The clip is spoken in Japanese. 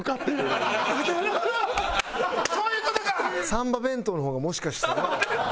サンバ弁当の方がもしかしたら。